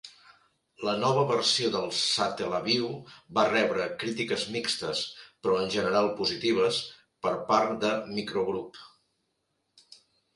La nova versió de l'Satellaview va rebre crítiques mixtes, però en general positives, per part de Microgroup.